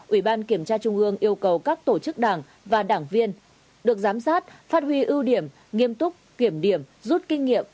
ubkt yêu cầu các tổ chức đảng và đảng viên được giám sát phát huy ưu điểm nghiêm túc kiểm điểm rút kinh nghiệm